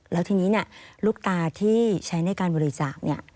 แล้วทีนี้เนี่ยลูกตาที่ใช้ในการบริจาคเนี่ย